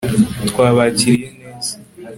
Twabakiriye neza